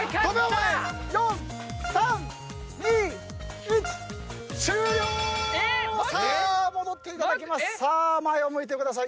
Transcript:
前を向いてください。